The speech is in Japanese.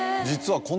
実は。